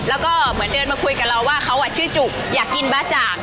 แล้วก็เหมือนเดินมาคุยกับเราว่าเขาชื่อจุกอยากกินบ้าจ่าง